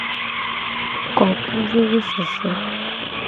Kopuvevesese.